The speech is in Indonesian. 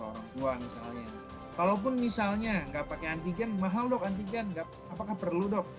orang tua misalnya kalaupun misalnya enggak pakai antigen mahal dok antigen enggak apakah perlu dok